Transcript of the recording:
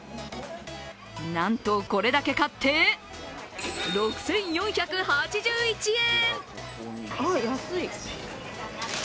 なんと、これだけ買って６４８１円。